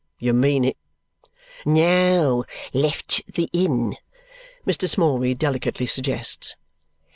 You mean it." "No o o! Left the Inn," Mr. Smallweed delicately suggests.